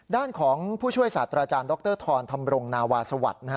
ด้านของผู้ช่วยศาสตราจารย์ดรธรธรรมรงนาวาสวัสดิ์